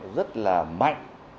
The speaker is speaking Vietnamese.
rất là mạnh